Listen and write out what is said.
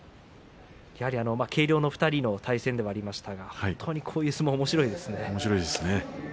やはり軽量の２人の対戦ではありましたが本当にこういう相撲はおもしろいですね。